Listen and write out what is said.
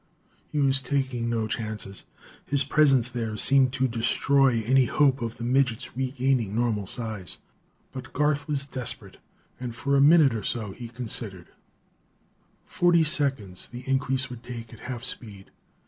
He was taking no chances; his presence there seemed to destroy any hope of the midget's regaining normal size. But Garth was desperate, and for a minute or so he considered. Forty seconds, the increase would take, at half speed.